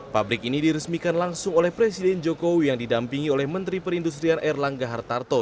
pabrik ini diresmikan langsung oleh presiden jokowi yang didampingi oleh menteri perindustrian erlangga hartarto